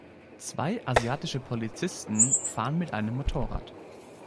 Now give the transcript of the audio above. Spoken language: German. Zwei asiatische Polizisten fahren mit einem Motorrad.